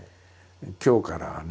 今日からはね